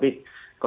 kita akan lihat